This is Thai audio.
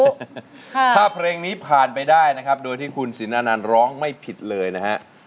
ถ้าเพลงนี้ผ่านไปได้นะครับโดยที่คุณสินอนันต์ร้องไม่ผิดเลยนะฮะ